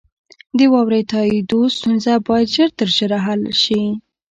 د واورئ تائیدو ستونزه باید ژر تر ژره حل شي.